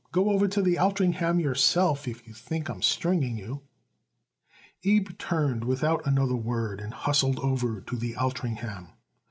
"Go over to the Altringham yourself, if you think I'm stringing you." Abe turned without another word and hustled over to the Altringham.